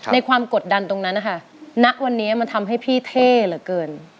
ความกดดันตรงนั้นนะคะณวันนี้มันทำให้พี่เท่เหลือเกิน